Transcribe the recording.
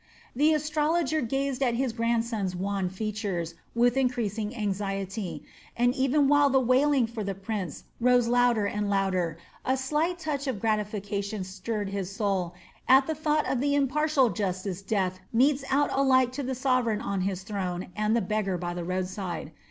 The astrologer gazed at his grandson's wan features with increasing anxiety, and even while the wailing for the prince rose louder and louder a slight touch of gratification stirred his soul at the thought of the impartial justice Death metes out alike to the sovereign on his throne and the beggar by the roadside.